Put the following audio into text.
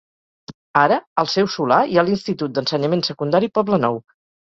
Ara, al seu solar hi ha l'Institut d'Ensenyament Secundari Poblenou.